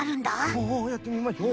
おおやってみましょう。